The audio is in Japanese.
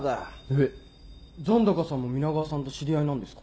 えっ残高さんも皆川さんと知り合いなんですか？